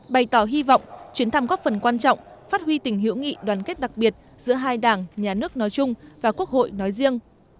bày tỏ hy vọng chuyến thăm góp phần quan trọng phát huy tình hữu nghị đoàn kết đặc biệt giữa hai đảng nhà nước nói chung và quốc hội nói riêng